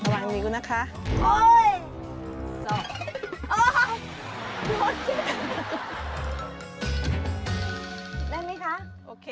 ตั้งใจข้ามามาก